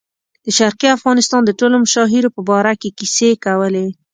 د شرقي افغانستان د ټولو مشاهیرو په باره کې کیسې کولې.